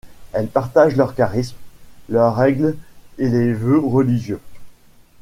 Elles partagent leur charisme, leur règle et les vœux religieux.